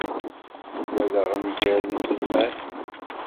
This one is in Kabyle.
Ugadeɣ nnger n iselman